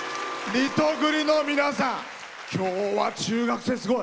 リトグリの皆さん、きょうは中学生すごい。